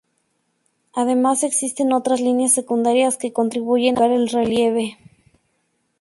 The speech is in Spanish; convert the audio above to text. Además existen otras líneas secundarias que contribuyen a complicar el relieve.